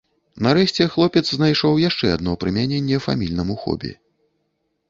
Нарэшце, хлопец знайшоў яшчэ адно прымяненне фамільнаму хобі.